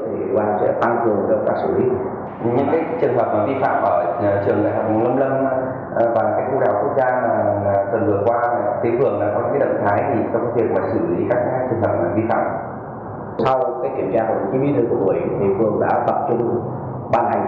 khu vực thứ hai là khu vực trại tập nghiệp ngoài khu vực trại tập nghiệp đó là các hộ dân nằm hoàn toàn trong nội dưới cổ một a và tổ chức vi phạm xây dựng